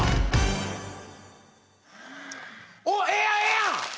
おおええやんええやん！